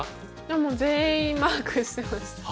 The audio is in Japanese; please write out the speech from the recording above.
もう全員マークしてました。